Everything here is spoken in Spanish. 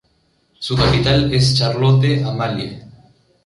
Su capital es Charlotte Amalie.